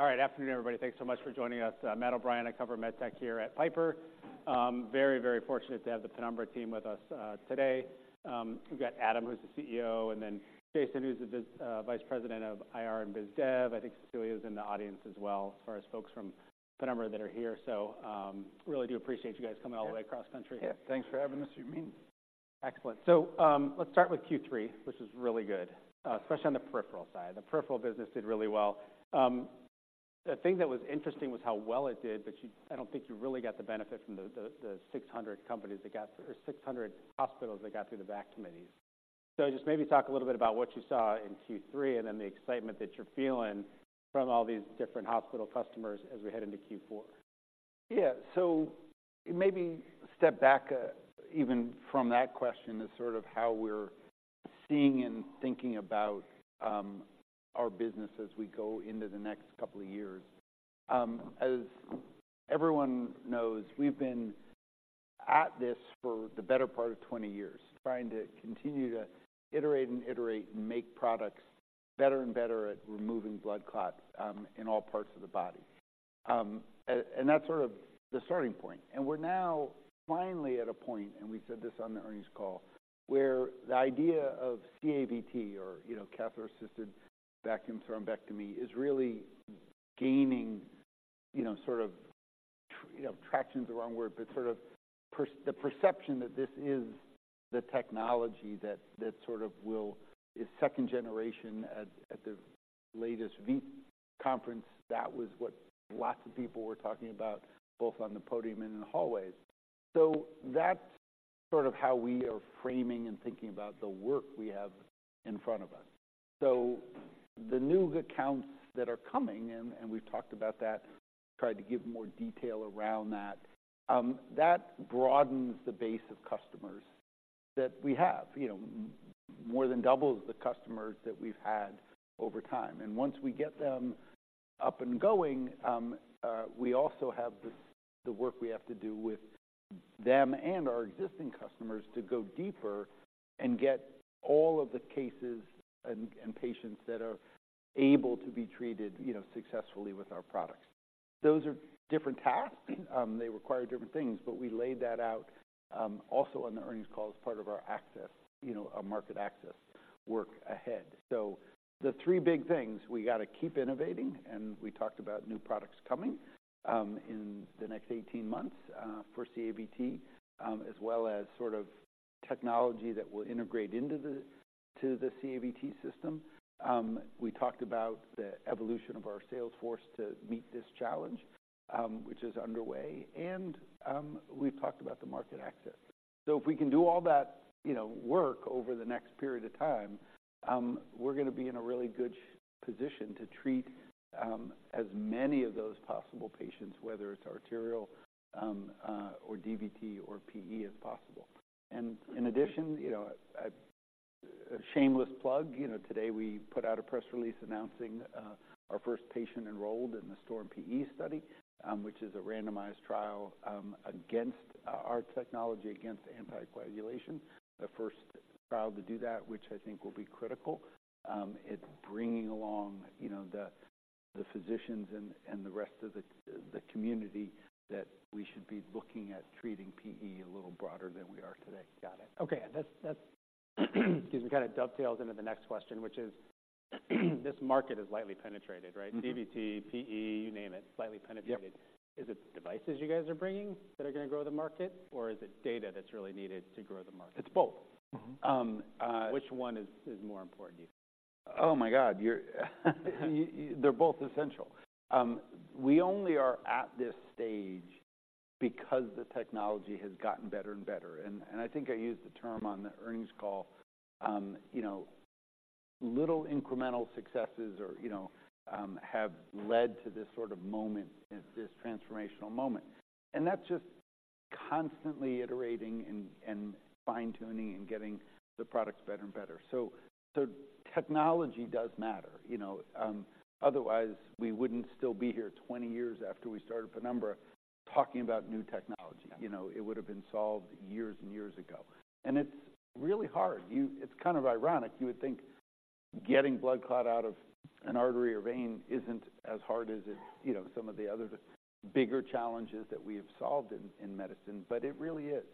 All right, afternoon, everybody. Thanks so much for joining us. Matt O'Brien, I cover MedTech here at Piper. Very, very fortunate to have the Penumbra team with us, today. We've got Adam, who's the CEO, and then Jason, who's the Vice President of IR and Biz Dev. I think Cecilia is in the audience as well, as far as folks from Penumbra that are here. So, really do appreciate you guys coming all the way across country. Yeah, thanks for having us. You mean- Excellent. So, let's start with Q3, which is really good, especially on the peripheral side. The peripheral business did really well. The thing that was interesting was how well it did, but you—I don't think you really got the benefit from the 600 hospitals that got through the VAC committees. So just maybe talk a little bit about what you saw in Q3, and then the excitement that you're feeling from all these different hospital customers as we head into Q4. Yeah. So maybe step back, even from that question, is sort of how we're seeing and thinking about, our business as we go into the next couple of years. As everyone knows, we've been at this for the better part of 20 years, trying to continue to iterate and iterate and make products better and better at removing blood clots, in all parts of the body. And, and that's sort of the starting point. And we're now finally at a point, and we said this on the earnings call, where the idea of CAVT or, you know, catheter-assisted vacuum thrombectomy, is really gaining, you know, sort of, traction is the wrong word. But sort of the perception that this is the technology that, that sort of will... Is second generation. At the latest VTE conference, that was what lots of people were talking about, both on the podium and in the hallways. So that's sort of how we are framing and thinking about the work we have in front of us. So the new accounts that are coming, and, and we've talked about that, tried to give more detail around that, that broadens the base of customers that we have. You know, more than doubles the customers that we've had over time. And once we get them up and going, we also have the, the work we have to do with them and our existing customers to go deeper and get all of the cases and, and patients that are able to be treated, you know, successfully with our products. Those are different tasks. They require different things, but we laid that out, also on the earnings call as part of our access, you know, our market access work ahead. So the three big things, we got to keep innovating, and we talked about new products coming in the next 18 months for CAVT, as well as sort of technology that will integrate into the, to the CAVT system. We talked about the evolution of our sales force to meet this challenge, which is underway, and we've talked about the market access. So if we can do all that, you know, work over the next period of time, we're going to be in a really good position to treat as many of those possible patients, whether it's arterial or DVT or PE, as possible. In addition, you know, a shameless plug, you know, today we put out a press release announcing our first patient enrolled in the STORM-PE study, which is a randomized trial against our, our technology, against anticoagulation. The first trial to do that, which I think will be critical. It's bringing along, you know, the, the physicians and, and the rest of the, the community, that we should be looking at treating PE a little broader than we are today. Got it. Okay, that excuse me, kind of dovetails into the next question, which is, this market is lightly penetrated, right? Mm-hmm. DVT, PE, you name it, slightly penetrated. Yep. Is it devices you guys are bringing that are going to grow the market, or is it data that's really needed to grow the market? It's both. Which one is more important to you? Oh, my God! You're... They're both essential. We only are at this stage because the technology has gotten better and better, and I think I used the term on the earnings call. You know, little incremental successes or, you know, have led to this sort of moment, this transformational moment, and that's just constantly iterating and fine-tuning and getting the products better and better. So technology does matter, you know. Otherwise, we wouldn't still be here 20 years after we started Penumbra talking about new technology. Yeah. You know, it would have been solved years and years ago. And it's really hard. It's kind of ironic. You would think getting blood clot out of an artery or vein isn't as hard as it, you know, some of the other bigger challenges that we have solved in medicine, but it really is.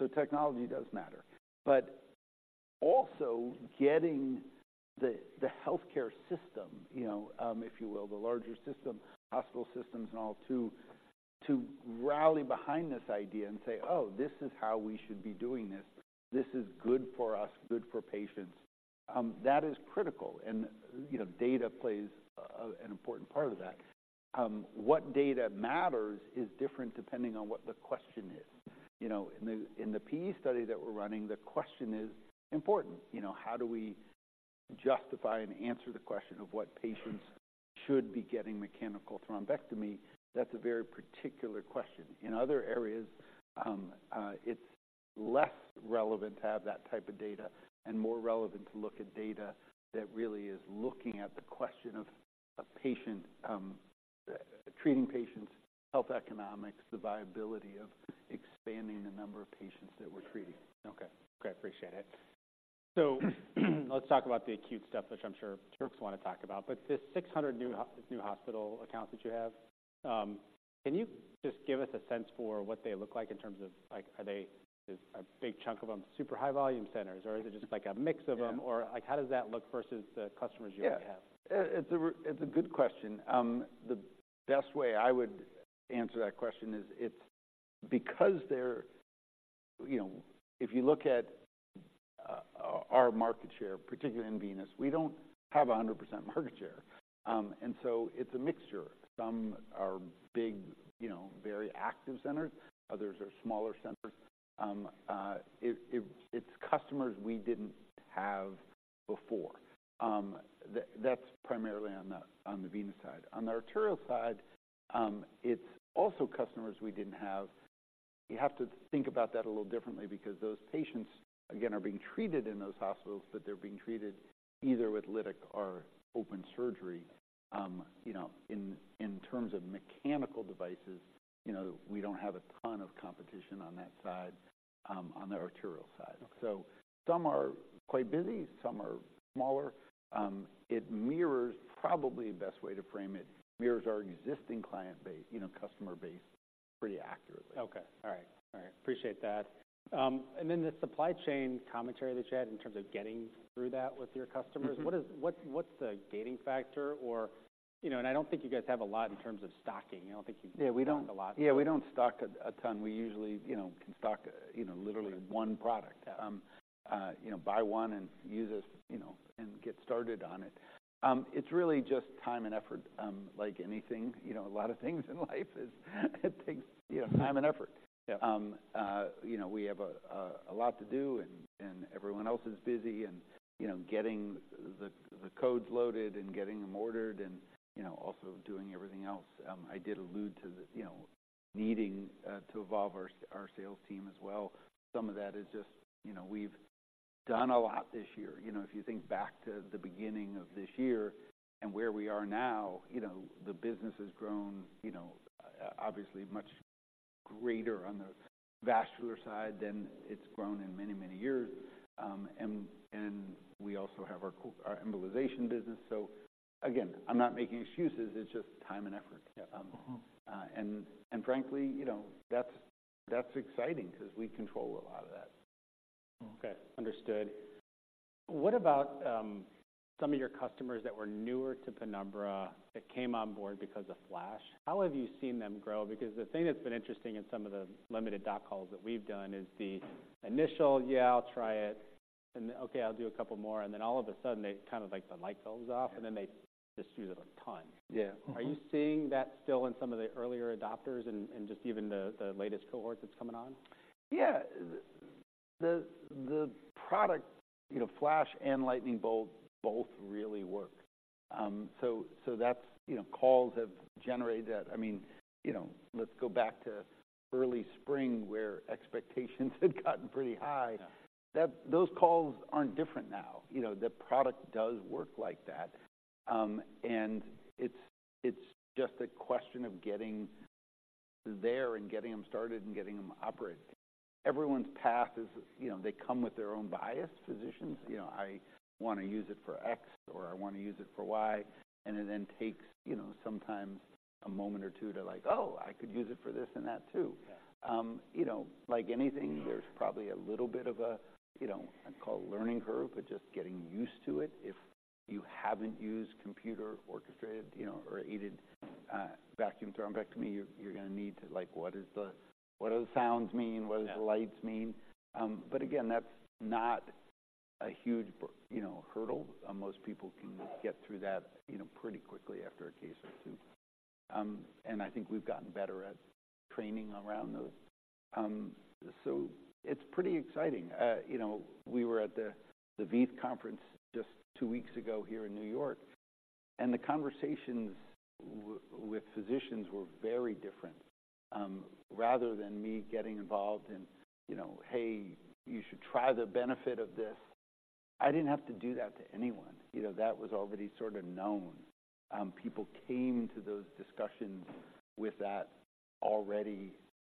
So technology does matter, but also getting the healthcare system, you know, if you will, the larger system, hospital systems and all, to rally behind this idea and say, "Oh, this is how we should be doing this. This is good for us, good for patients." That is critical. And, you know, data plays an important part of that. What data matters is different depending on what the question is. You know, in the PE study that we're running, the question is important. You know, how do we justify and answer the question of what patients should be getting mechanical thrombectomy? That's a very particular question. In other areas, it's less relevant to have that type of data and more relevant to look at data that really is looking at the question of a patient, treating patients' health economics, the viability of expanding the number of patients that we're treating. Okay. Okay, I appreciate it. So let's talk about the acute stuff, which I'm sure folks want to talk about, but the 600 new hospital accounts that you have, can you just give us a sense for what they look like in terms of like, are they a big chunk of them super high volume centers, or is it just like a mix of them? Yeah. Or like, how does that look versus the customers you already have? Yeah, it's a good question. The best way I would answer that question is it's because they're, you know, if you look at our market share, particularly in venous, we don't have 100% market share. And so it's a mixture. Some are big, you know, very active centers, others are smaller centers. It's customers we didn't have before. That's primarily on the venous side. On the arterial side, it's also customers we didn't have. You have to think about that a little differently because those patients, again, are being treated in those hospitals, but they're being treated either with lytic or open surgery. You know, in terms of mechanical devices, you know, we don't have a ton of competition on that side, on the arterial side. Okay. So some are quite busy, some are smaller. It mirrors, probably the best way to frame it, mirrors our existing client base, you know, customer base pretty accurately. Okay. All right. All right, appreciate that. And then the supply chain commentary that you had in terms of getting through that with your customers- Mm-hmm. What's the gating factor? Or, you know, and I don't think you guys have a lot in terms of stocking. I don't think you- Yeah, we don't. -stock a lot. Yeah, we don't stock a ton. We usually, you know, can stock, you know, literally one product. Yeah. You know, buy one and use it, you know, and get started on it. It's really just time and effort. Like anything, you know, a lot of things in life is it takes, you know, time and effort. Yeah. You know, we have a lot to do, and everyone else is busy and, you know, getting the codes loaded and getting them ordered and, you know, also doing everything else. I did allude to the, you know, needing to evolve our sales team as well. Some of that is just... You know, we've done a lot this year. You know, if you think back to the beginning of this year and where we are now, you know, the business has grown, you know, obviously much greater on the vascular side than it's grown in many, many years. And we also have our embolization business. So again, I'm not making excuses. It's just time and effort. Yeah. Mm-hmm. Frankly, you know, that's exciting 'cause we control a lot of that. Okay, understood. What about some of your customers that were newer to Penumbra that came on board because of Flash? How have you seen them grow? Because the thing that's been interesting in some of the limited dock calls that we've done is the initial, "Yeah, I'll try it," and, "Okay, I'll do a couple more," and then all of a sudden, they kind of like the light bulbs off, and then they just use it a ton. Yeah. Mm-hmm. Are you seeing that still in some of the earlier adopters and just even the latest cohort that's coming on? Yeah. The product, you know, Flash and Lightning Bolt both really work. So that's, you know, calls have generated that. I mean, you know, let's go back to early spring, where expectations had gotten pretty high. Yeah. Those calls aren't different now. You know, the product does work like that. And it's just a question of getting there and getting them started and getting them operating. Everyone's path is, you know, they come with their own bias. Physicians, you know, I want to use it for X, or I want to use it for Y, and it then takes, you know, sometimes a moment or two to like, "Oh, I could use it for this and that too. Yeah. You know, like anything, there's probably a little bit of a, you know, I'd call learning curve, but just getting used to it. If you haven't used Computer-Assisted Vacuum Thrombectomy, you're gonna need to like, what do the sounds mean? Yeah. What do the lights mean? But again, that's not a huge hurdle, you know. Most people can get through that, you know, pretty quickly after a case or two. And I think we've gotten better at training around those. So it's pretty exciting. You know, we were at the VEITH Conference just two weeks ago here in New York, and the conversations with physicians were very different. Rather than me getting involved in, you know, "Hey, you should try the benefit of this," I didn't have to do that to anyone. You know, that was already sort of known. People came to those discussions with that already.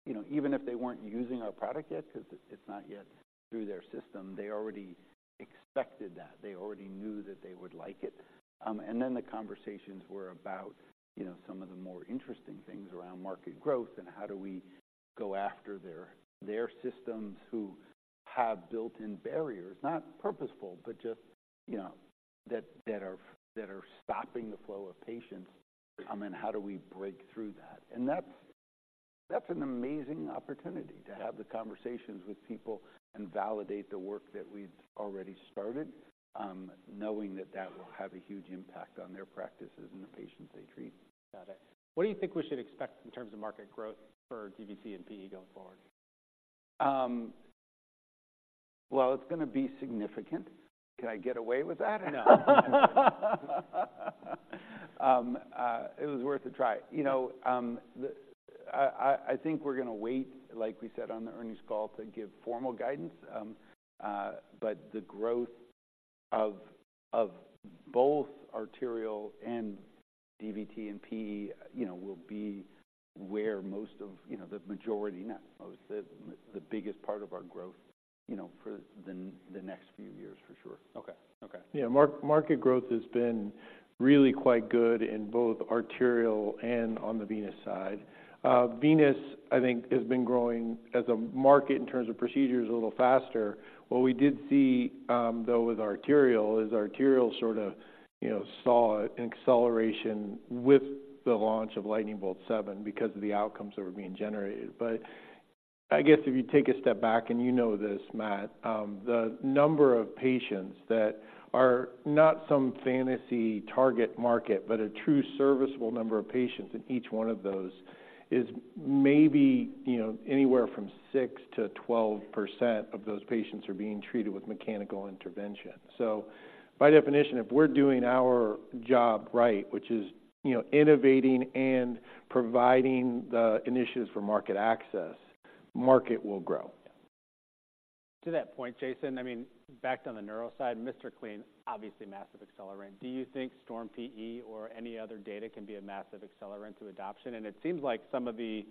You know, even if they weren't using our product yet, 'cause it's not yet through their system, they already expected that. They already knew that they would like it. The conversations were about, you know, some of the more interesting things around market growth and how do we go after their systems who have built-in barriers, not purposeful, but just, you know, that are stopping the flow of patients coming. Right. How do we break through that? That's an amazing opportunity to have the conversations with people and validate the work that we've already started, knowing that that will have a huge impact on their practices and the patients they treat. Got it. What do you think we should expect in terms of market growth for DVT and PE going forward? Well, it's gonna be significant. Can I get away with that or no? It was worth a try. You know, I think we're gonna wait, like we said, on the earnings call to give formal guidance. But the growth of both arterial and DVT and PE, you know, will be where most of, you know, the majority, not most, the biggest part of our growth, you know, for the next few years, for sure. Okay. Okay. Yeah, market growth has been really quite good in both arterial and on the venous side. Venous, I think, has been growing as a market in terms of procedures, a little faster. What we did see, though, with arterial, is arterial sort of, you know, saw an acceleration with the launch of Lightning Bolt 7 because of the outcomes that were being generated. But I guess if you take a step back, and you know this, Matt, the number of patients that are not some fantasy target market, but a true serviceable number of patients in each one of those is maybe, you know, anywhere from 6%-12% of those patients are being treated with mechanical intervention. So by definition, if we're doing our job right, which is, you know, innovating and providing the initiatives for market access, market will grow. To that point, Jason, I mean, back on the neuro side, MR CLEAN, obviously massive accelerant. Do you think STORM-PE or any other data can be a massive accelerant to adoption? And it seems like some of the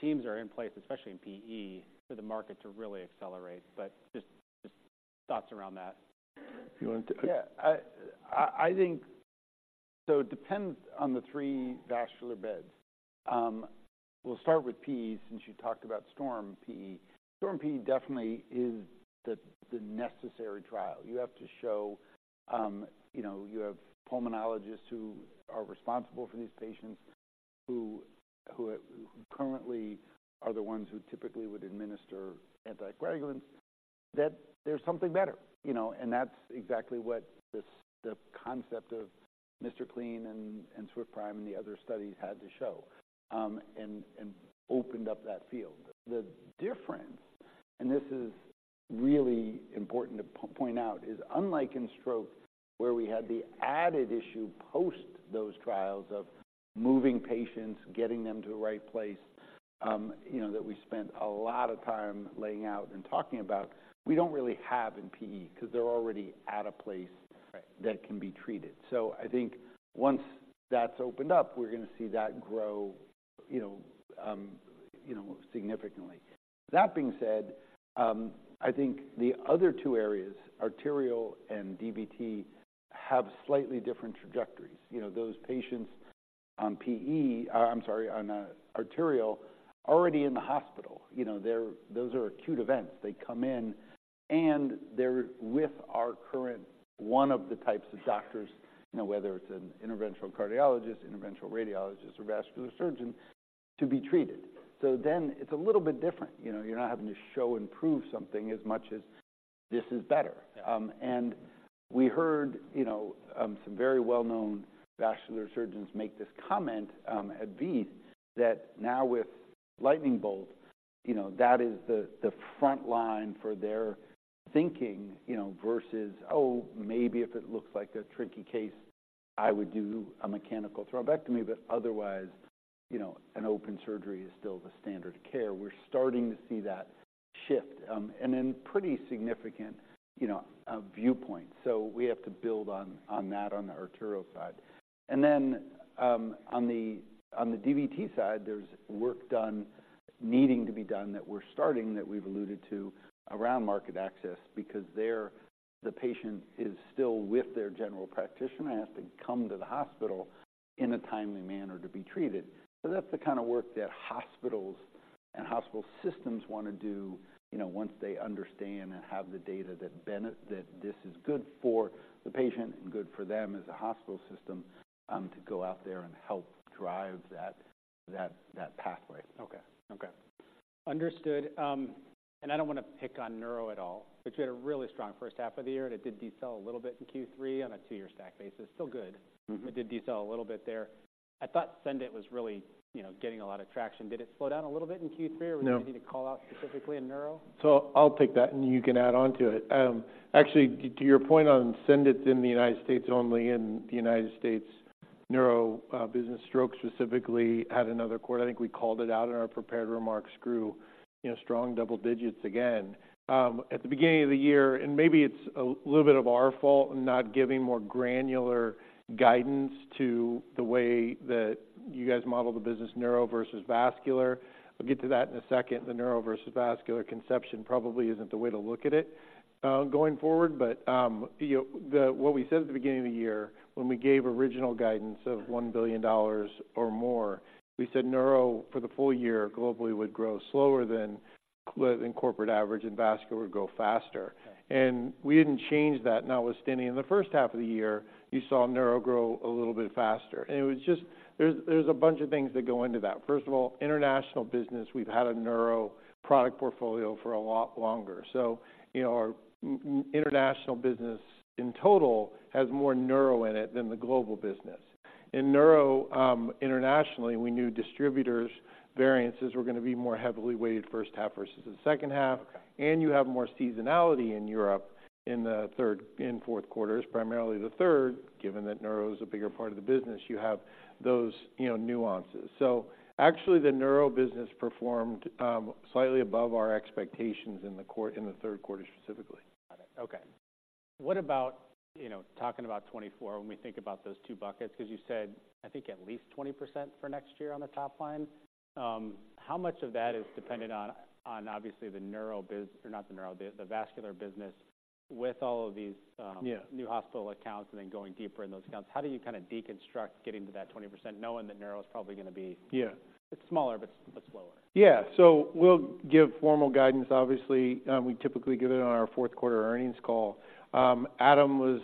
teams are in place, especially in PE, for the market to really accelerate. But just thoughts around that. You want to- Yeah. I think so it depends on the three vascular beds. We'll start with PE, since you talked about STORM-PE. STORM-PE definitely is the necessary trial. You have to show, you know, you have pulmonologists who are responsible for these patients, who currently are the ones who typically would administer anticoagulants, that there's something better, you know, and that's exactly what this, the concept of MR CLEAN and SWIFT PRIME and the other studies had to show, and opened up that field. The difference, and this is really important to point out, is unlike in stroke, where we had the added issue post those trials of moving patients, getting them to the right place, you know, that we spent a lot of time laying out and talking about. We don't really have in PE, because they're already at a place- Right - that can be treated. So I think once that's opened up, we're going to see that grow, you know, you know, significantly. That being said, I think the other two areas, arterial and DVT, have slightly different trajectories. You know, those patients on PE... I'm sorry, on, arterial, already in the hospital, you know, they're, those are acute events. They come in, and they're with our current, one of the types of doctors, you know, whether it's an interventional cardiologist, interventional radiologist, or vascular surgeon, to be treated. So then it's a little bit different. You know, you're not having to show and prove something as much as this is better. Yeah. And we heard, you know, some very well-known vascular surgeons make this comment at VEITH that now with Lightning Bolt, you know, that is the front line for their thinking, you know, versus, "Oh, maybe if it looks like a tricky case, I would do a mechanical thrombectomy, but otherwise, you know, an open surgery is still the standard of care." We're starting to see that shift and in pretty significant, you know, viewpoints. So we have to build on that on the arterial side. And then on the DVT side, there's work done needing to be done that we're starting that we've alluded to around market access, because there, the patient is still with their general practitioner, has to come to the hospital in a timely manner to be treated. So that's the kind of work that hospitals and hospital systems want to do, you know, once they understand and have the data that this is good for the patient and good for them as a hospital system, to go out there and help drive that pathway. Okay. Okay, understood. And I don't want to pick on neuro at all, but you had a really strong first half of the year, and it did decel a little bit in Q3 on a two-year stack basis. Still good. Mm-hmm. It did decel a little bit there. I thought SENDit was really, you know, getting a lot of traction. Did it slow down a little bit in Q3? No. Or do we need to call out specifically in neuro? So I'll take that, and you can add on to it. Actually, to, to your point on SENDit’s in the United States, only in the United States neuro business, stroke specifically, had another quarter. I think we called it out in our prepared remarks, grew, you know, strong double digits again. At the beginning of the year, and maybe it's a little bit of our fault, not giving more granular guidance to the way that you guys model the business, neuro versus vascular. I'll get to that in a second. The neuro versus vascular conception probably isn't the way to look at it, going forward. But, you know, the... What we said at the beginning of the year when we gave original guidance of $1 billion or more, we said neuro, for the full year globally, would grow slower than than corporate average, and vascular would go faster. Right. We didn't change that, notwithstanding. In the first half of the year, you saw neuro grow a little bit faster, and it was just. There's, there's a bunch of things that go into that. First of all, international business, we've had a neuro product portfolio for a lot longer. So you know, our international business in total has more neuro in it than the global business. In neuro, internationally, we knew distributors' variances were going to be more heavily weighted first half versus the second half. Okay. You have more seasonality in Europe in the third and fourth quarters, primarily the third. Given that neuro is a bigger part of the business, you have those, you know, nuances. Actually, the neuro business performed slightly above our expectations in the third quarter, specifically. Got it. Okay. What about, you know, talking about 2024 when we think about those two buckets? Because you said, I think, at least 20% for next year on the top line. How much of that is dependent on obviously the neuro biz, or not the neuro biz, the vascular business, with all of these, Yeah new hospital accounts and then going deeper in those accounts, how do you kind of deconstruct getting to that 20%, knowing that neuro is probably going to be- Yeah. It's smaller, but slower. Yeah. So we'll give formal guidance, obviously. We typically give it on our fourth-quarter earnings call. Adam was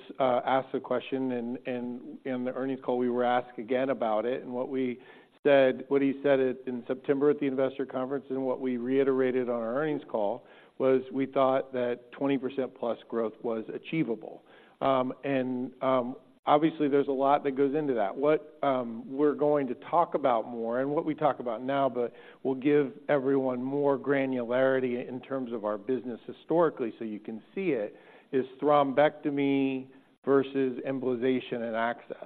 asked a question in the earnings call. We were asked again about it. And what we said - what he said in September at the investor conference, and what we reiterated on our earnings call, was we thought that 20%+ growth was achievable. And obviously, there's a lot that goes into that. What we're going to talk about more and what we talk about now, but we'll give everyone more granularity in terms of our business historically, so you can see it, is thrombectomy versus embolization and access.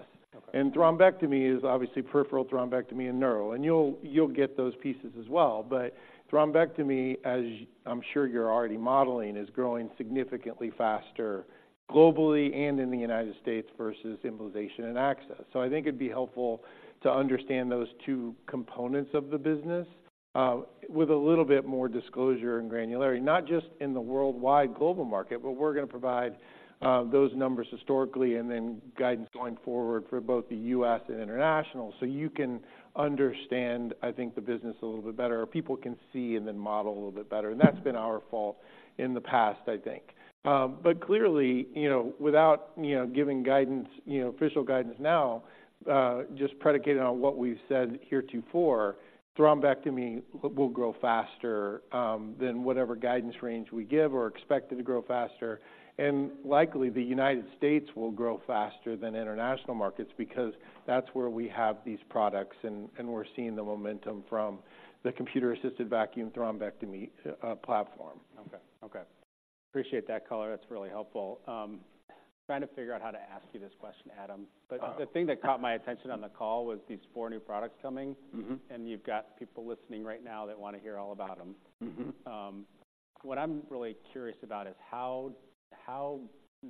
Okay. Thrombectomy is obviously peripheral thrombectomy and neuro, and you'll get those pieces as well. But thrombectomy, as I'm sure you're already modeling, is growing significantly faster globally and in the United States versus embolization and access. So I think it'd be helpful to understand those two components of the business with a little bit more disclosure and granularity, not just in the worldwide global market, but we're going to provide those numbers historically and then guidance going forward for both the U.S. and international. So you can understand, I think, the business a little bit better, or people can see and then model a little bit better, and that's been our fault in the past, I think. But clearly, you know, without, you know, giving guidance, you know, official guidance now, just predicated on what we've said heretofore, thrombectomy will grow faster than whatever guidance range we give or expected to grow faster. And likely, the United States will grow faster than international markets because that's where we have these products, and, and we're seeing the momentum from the Computer-Assisted Vacuum Thrombectomy platform. Okay, okay. Appreciate that color. That's really helpful. Trying to figure out how to ask you this question, Adam. Uh-uh. But the thing that caught my attention on the call was these four new products coming. Mm-hmm. You've got people listening right now that want to hear all about them. Mm-hmm. What I'm really curious about is how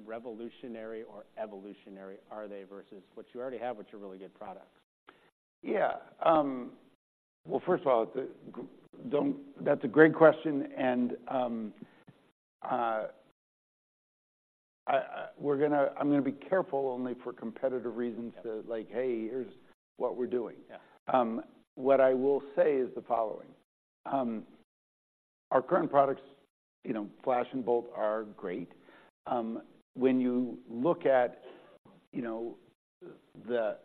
revolutionary or evolutionary are they versus what you already have, which are really good products? Yeah. Well, first of all, that's a great question, and I'm gonna be careful only for competitive reasons- Yeah... to like, "Hey, here's what we're doing. Yeah. What I will say is the following: our current products, you know, Flash and Bolt, are great. When you look at, you know, the,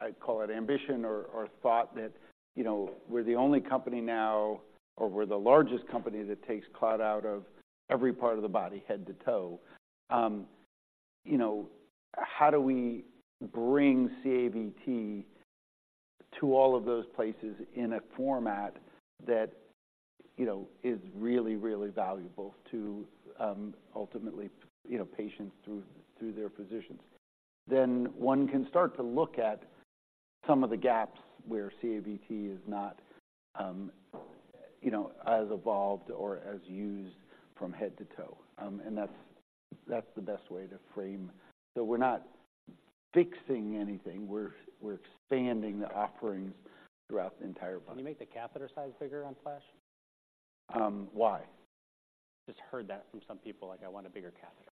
I call it ambition or, or thought that, you know, we're the only company now, or we're the largest company that takes clot out of every part of the body, head to toe. You know, how do we bring CAVT to all of those places in a format that, you know, is really, really valuable to, ultimately, you know, patients through, through their physicians? Then one can start to look at some of the gaps where CAVT is not, you know, as evolved or as used from head to toe. And that's, that's the best way to frame. So we're not fixing anything; we're, we're expanding the offerings throughout the entire body. Can you make the catheter size bigger on Flash? Um, why? Just heard that from some people, like, "I want a bigger catheter.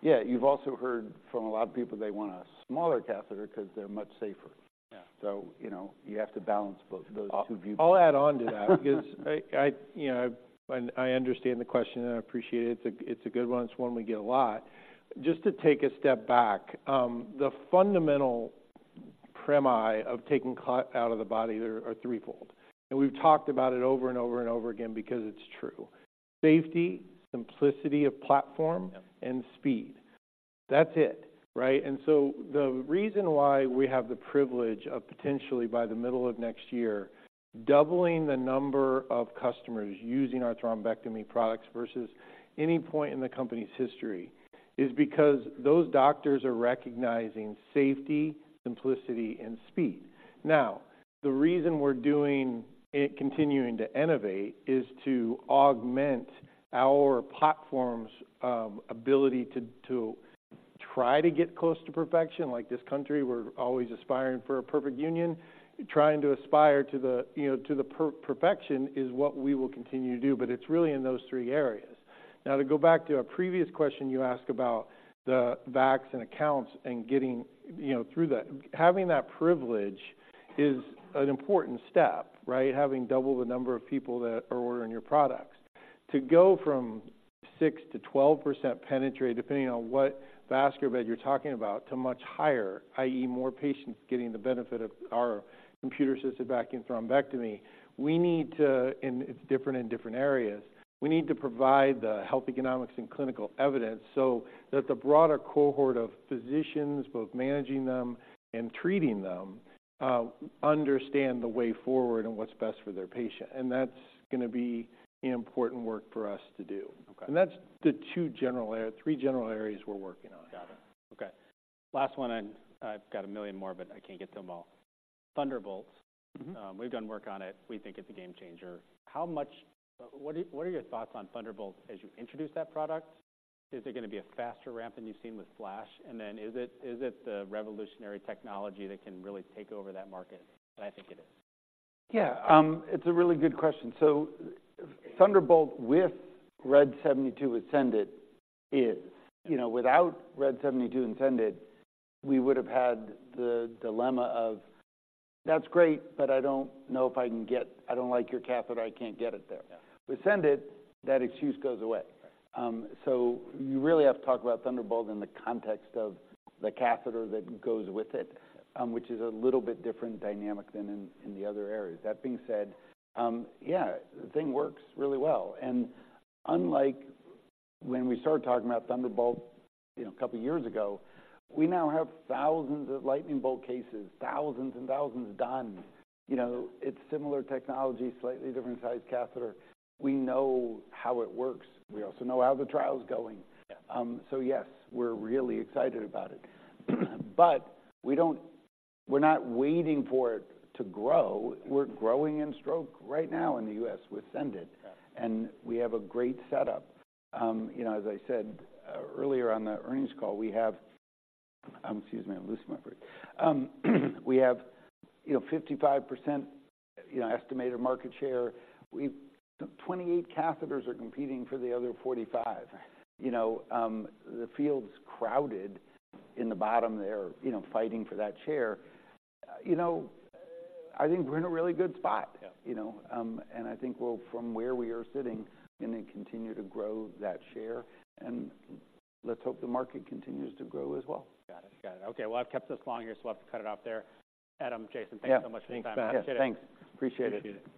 Yeah. You've also heard from a lot of people they want a smaller catheter because they're much safer. Yeah. You know, you have to balance both, those two views. I'll add on to that because I, you know, I understand the question, and I appreciate it. It's a good one. It's one we get a lot. Just to take a step back, the fundamental premise of taking clot out of the body are threefold, and we've talked about it over and over and over again because it's true. Safety, simplicity of platform- Yeah... and speed. That's it, right? And so the reason why we have the privilege of potentially, by the middle of next year, doubling the number of customers using our thrombectomy products versus any point in the company's history, is because those doctors are recognizing safety, simplicity, and speed. Now, the reason we're doing it, continuing to innovate, is to augment our platform's ability to try to get close to perfection. Like this country, we're always aspiring for a perfect union. Trying to aspire to the, you know, to the perfection is what we will continue to do, but it's really in those three areas. Now, to go back to a previous question you asked about the VAC and accounts and getting, you know, through that, having that privilege is an important step, right? Having double the number of people that are ordering your products. To go from 6%-12% penetration, depending on what vascular bed you're talking about, to much higher, i.e., more patients getting the benefit of our Computer-Assisted Vacuum Thrombectomy, we need to... And it's different in different areas. We need to provide the health economics and clinical evidence so that the broader cohort of physicians, both managing them and treating them, understand the way forward and what's best for their patient. And that's gonna be important work for us to do. Okay. That's the two general area- three general areas we're working on. Got it. Okay, last one, and I've got a million more, but I can't get to them all. Thunderbolt, we've done work on it. We think it's a game changer. What are your thoughts on Thunderbolt as you introduce that product? Is it going to be a faster ramp than you've seen with Flash? And then is it the revolutionary technology that can really take over that market? I think it is. Yeah, it's a really good question. So Thunderbolt with RED 72 SENDit is, you know, without RED 72 SENDit, we would have had the dilemma of, "That's great, but I don't know if I can get—I don't like your catheter. I can't get it there. Yeah. With SENDit, that excuse goes away. Right. So you really have to talk about Thunderbolt in the context of the catheter that goes with it, which is a little bit different dynamic than in the other areas. That being said, yeah, the thing works really well. And unlike when we started talking about Thunderbolt, you know, a couple of years ago, we now have thousands of Lightning Bolt cases, thousands and thousands done. You know, it's similar technology, slightly different size catheter. We know how it works. We also know how the trial is going. Yeah. So yes, we're really excited about it. But we're not waiting for it to grow. We're growing in stroke right now in the U.S. with SENDit. Yeah. We have a great setup. You know, as I said, earlier on the earnings call, we have... Excuse me, I'm losing my voice. We have, you know, 55% estimated market share. 28 catheters are competing for the other 45%. You know, the field's crowded in the bottom there, you know, fighting for that share. You know, I think we're in a really good spot. Yeah. You know, and I think we'll, from where we are sitting, going to continue to grow that share, and let's hope the market continues to grow as well. Got it. Got it. Okay, well, I've kept this long here, so we'll have to cut it off there. Adam, Jason- Yeah. Thanks so much for your time. Thanks. Appreciate it. Good to do it.